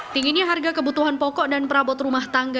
tingginya harga kebutuhan pokok dan perabot rumah tangga